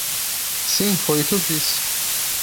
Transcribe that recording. Sim, foi o que eu disse.